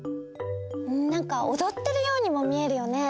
なんかおどってるようにも見えるよね。